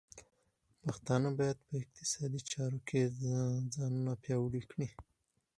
پښتانه بايد په اقتصادي چارو کې ځانونه پیاوړي کړي.